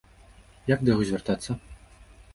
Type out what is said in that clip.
Як да яго звяртацца?